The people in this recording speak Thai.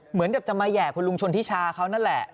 เหมือนกับจะมาแห่คุณลุงชนทิชาเขานั่นแหละ